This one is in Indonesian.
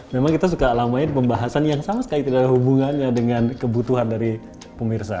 memang kita suka lamanya di pembahasan yang sama sekali tidak ada hubungannya dengan kebutuhan dari pemirsa